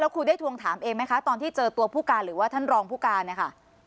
ครูได้ทวงถามเองไหมคะตอนที่เจอตัวผู้การหรือว่าท่านรองผู้การเนี่ยค่ะ